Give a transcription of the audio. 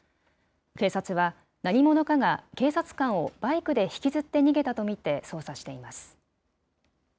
警察は何者かが警察官をバイクで引きずって逃げたと見て捜査しています。